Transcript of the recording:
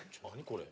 これ。